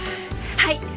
はい。